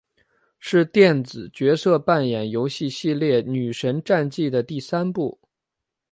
是电子角色扮演游戏系列女神战记的第三作。